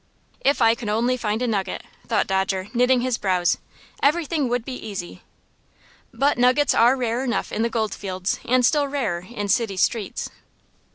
"If I could only find a nugget," thought Dodger, knitting his brows, "everything would be easy." But nuggets are rare enough in the gold fields, and still rarer in city streets.